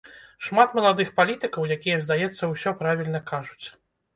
Шмат маладых палітыкаў, якія, здаецца, усё правільна кажуць.